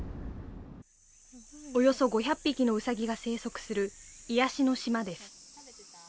およそ５００匹のうさぎが生息する癒やしの島です。